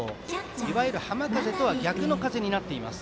いわゆる浜風とは逆になっています。